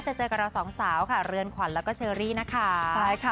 จะเจอกับเราสองสาวค่ะเรือนขวัญแล้วก็เชอรี่นะคะใช่ค่ะ